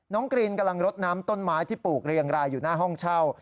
กรีนกำลังรดน้ำต้นไม้ที่ปลูกเรียงรายอยู่หน้าห้องเช่า